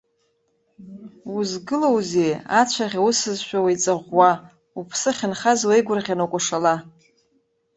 Узгылоузеи, ацәаӷь усызшәа уеиҵаӷәӷәа, уԥсы ахьынхаз уеигәырӷьаны укәашала.